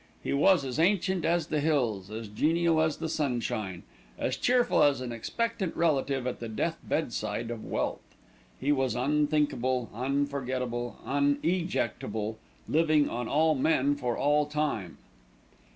He was as ancient as the hills, as genial as the sunshine, as cheerful as an expectant relative at the death bedside of wealth. He was unthinkable, unforgettable, unejectable, living on all men for all time.